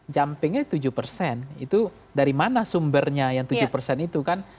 jumpingnya tujuh persen itu dari mana sumbernya yang tujuh persen itu kan